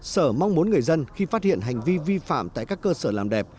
sở mong muốn người dân khi phát hiện hành vi vi phạm tại các cơ sở làm đẹp